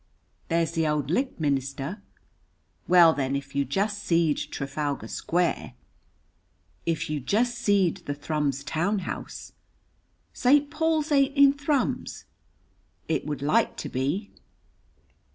"There's the auld licht minister." "Well, then, if you jest seed Trafalgar Square!" "If you jest seed the Thrums town house!" "St. Paul's ain't in Thrums." "It would like to be."